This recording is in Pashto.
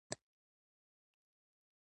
مقاومت مې د بریالیتوب بنسټ کېښود.